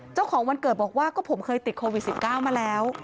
เจ้าของวันเกิดบอกว่าก็ผมเคยติดโควิด๑๙มาแล้ว